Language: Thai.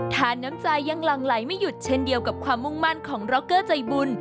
ทานน้ำใจยังหลั่งไหลไม่หยุดเช่นเดียวกับความมุ่งมั่นของร็อกเกอร์ใจบุญ